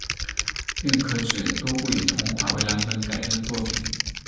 另可指多部以童话为蓝本改编的作品